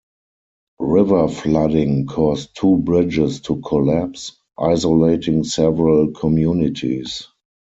River flooding caused two bridges to collapse, isolating several communities.